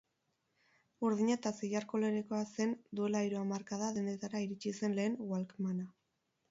Urdina eta zilar kolorekoa zen duela hiru hamarkada dendetara iritsi zen lehen walkmana.